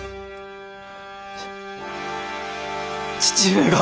父上が！